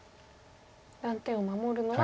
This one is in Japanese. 断点を守るのが。